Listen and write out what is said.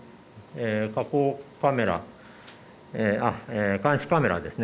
火口カメラ監視カメラですね。